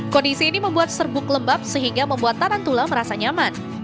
kondisi ini membuat serbuk lembab sehingga membuat tarantula merasa nyaman